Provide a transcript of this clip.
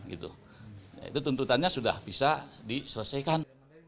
itu tuntutannya sudah bisa diselesaikan